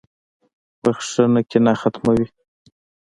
• بخښنه کینه ختموي.